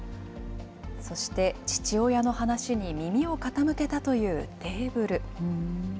そして父親の話に耳を傾けたというテーブル。